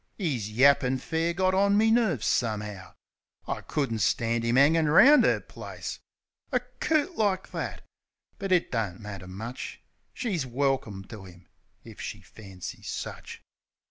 'Is yappin' fair got on me nerves, some'ow. T couldn't stand 'im 'angin' round 'er place. A coot like that! ... But it don't matter much, She's welkim to 'im if she fancies such.